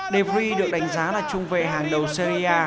de vries được đánh giá là trung vệ hàng đầu serie a